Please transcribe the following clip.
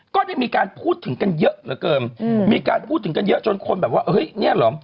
ก็ได้มีการพูดถึงกันเยอะเหลือเกินอืมมีการพูดถึงกันเยอะจนคนแบบว่าเฮ้ยเนี่ยเหรอ